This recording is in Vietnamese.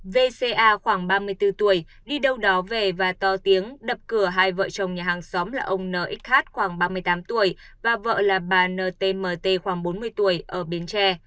vca khoảng ba mươi bốn tuổi đi đâu đó về và to tiếng đập cửa hai vợ chồng nhà hàng xóm là ông nx kh khoảng ba mươi tám tuổi và vợ là bà ntmt khoảng bốn mươi tuổi ở bến tre